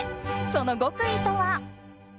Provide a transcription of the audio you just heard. その極意とは？